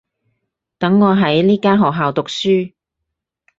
等我喺呢間學校讀書